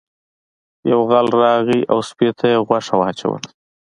یو غل راغی او سپي ته یې غوښه واچوله.